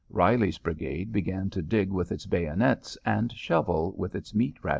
Reilly's brigade began to dig with its bayonets and shovel with its meat ration cans.